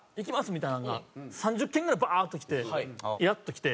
みたいなんが３０件ぐらいバーッときてイラッときて。